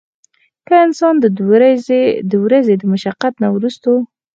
کۀ انسان د ورځې د مشقت نه وروستو